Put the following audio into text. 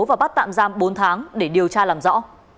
và bắt tạm giam bốn tháng để điều tra làm rõ